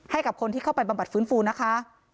ให้กับคนที่เข้าไปบำบัดฟื้นฟูนะคะ